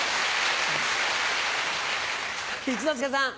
一之輔さん。